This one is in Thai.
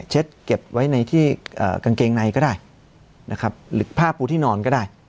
เช็ดเก็บไว้ในที่กางเกงในก็ได้หรือผ้าผู้ที่นอนก็ได้